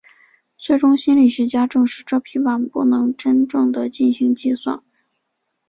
最终心理学家证实这匹马不能真正地进行计算。